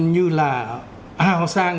như là hào sang